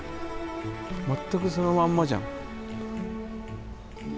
全くそのまんまじゃん。